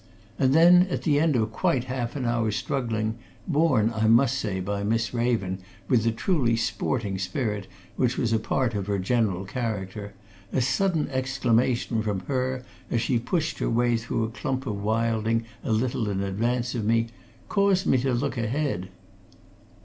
And then at the end of quite half an hour's struggling, borne, I must say, by Miss Raven, with the truly sporting spirit which was a part of her general character, a sudden exclamation from her, as she pushed her way through a clump of wilding a little in advance of me, caused me to look ahead.